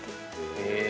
へえ！